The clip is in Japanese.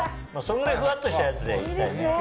そんぐらいふわっとしたやつで行きたいね。